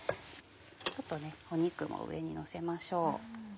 ちょっと肉も上にのせましょう。